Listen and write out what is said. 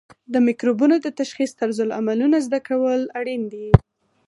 د مکروبونو د تشخیص طرزالعملونه زده کول اړین دي.